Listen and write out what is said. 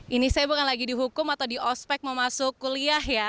ini saya bukan lagi dihukum atau di ospek mau masuk kuliah ya